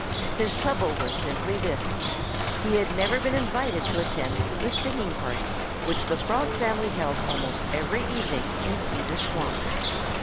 His trouble was simply this: he had never been invited to attend the singing parties which the Frog family held almost every evening in Cedar Swamp.